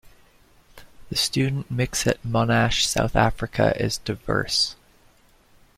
The student mix at Monash South Africa is diverse.